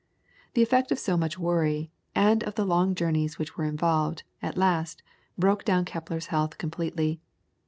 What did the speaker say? The effects of so much worry, and of the long journeys which were involved, at last broke down Kepler's health completely.